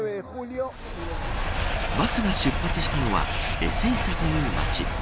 バスが出発したのはエセイサという町。